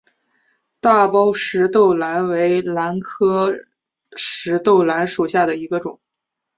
大苞石豆兰为兰科石豆兰属下的一个种。